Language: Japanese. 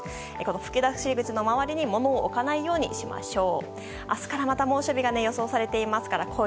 吹き出し口の周りに物を置かないようしましょう。